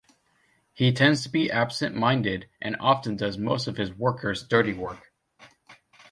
He tends to be absentminded and often does most of his worker's dirty work.